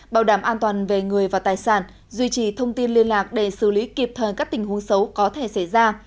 bảo đảm an toàn về người và tài sản duy trì thông tin liên lạc để xử lý kịp thời các tình huống xấu có thể xảy ra